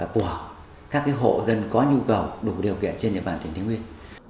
của các hộ dân có nhu cầu đủ điều kiện trên địa bàn tỉnh thái nguyên